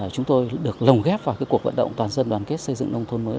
chúng tôi được lồng ghép vào cuộc vận động toàn dân đoàn kết xây dựng nông thôn mới